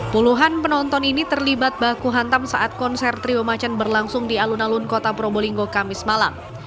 puluhan penonton ini terlibat baku hantam saat konser trio macan berlangsung di alun alun kota probolinggo kamis malam